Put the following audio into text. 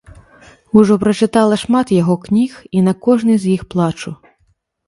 Ужо прачытала шмат яго кніг, і на кожнай з іх плачу.